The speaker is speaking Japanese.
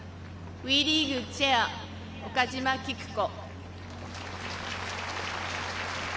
ＷＥリーグチェア・岡島喜久子。